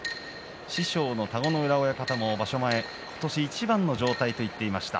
師匠の田子ノ浦親方も場所前今年いちばんの状態と言っていました。